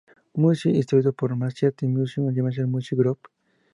Music, y distribuido por Machete Music y Universal Music Group.